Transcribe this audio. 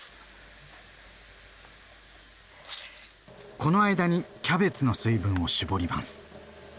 この間にキャベツの水分を絞ります。